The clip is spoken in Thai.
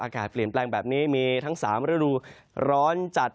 เปลี่ยนแปลงแบบนี้มีทั้ง๓ฤดูร้อนจัด